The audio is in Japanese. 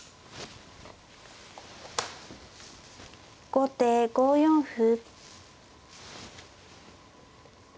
後手５四歩。